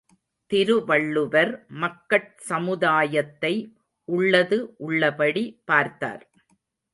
திருவள்ளுவர் மக்கட் சமுதாயத்தை உள்ளது உள்ளபடி பார்த்தார்.